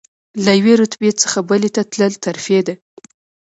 له یوې رتبې څخه بلې ته تلل ترفیع ده.